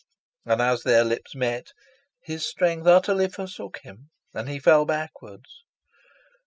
And as their lips met, his strength utterly forsook him, and he fell backwards.